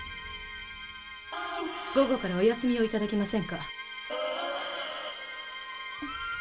午後からお休みをいただけませんか。